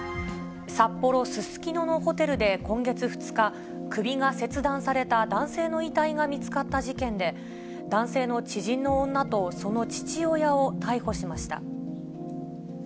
札幌・すすきののホテルで今月２日、首が切断された男性の遺体が見つかった事件で、男性の知人の女とその父親を逮捕しました。